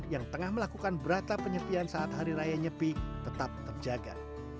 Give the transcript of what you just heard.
yang melakukan berata penyepian saat hari raya nyepi tetap terjaga